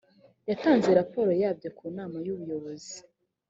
yatanze raporo yabyo ku nama y’ubuyobozi.